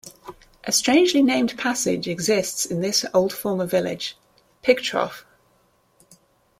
A strangely named passage exists in this old former village - "Pig Trough".